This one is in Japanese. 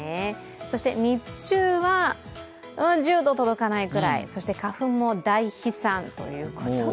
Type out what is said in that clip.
そして日中は１０度届かないくらい、そして花粉も大飛散ということで。